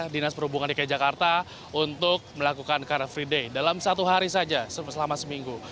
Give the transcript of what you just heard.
dinas perhubungan dki jakarta untuk melakukan car free day dalam satu hari saja selama seminggu